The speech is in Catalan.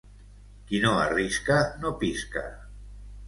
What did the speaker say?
Qui no arrisca, no pisca.